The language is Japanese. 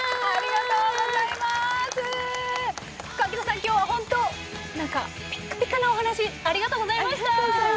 今日はほんとなんかピッカピカなお話ありがとうございました。